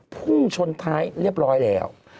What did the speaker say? พุ่งชนท้ายเรียบร้อยแล้ว